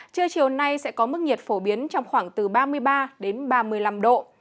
trưa chiều nay sẽ có mức nhiệt phổ biến trong khoảng từ ba mươi ba đến ba mươi năm độ